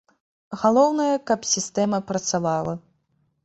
Галоўнае, каб сістэма працавала.